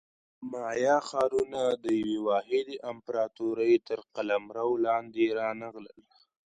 مایا ښارونه د یوې واحدې امپراتورۍ تر قلمرو لاندې رانغلل